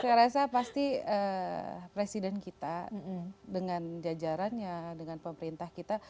saya rasa pasti presiden kita dengan jajarannya dengan pemerintah kita